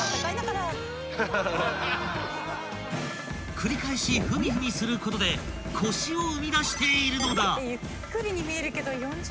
［繰り返し踏み踏みすることでコシを生み出しているのだ］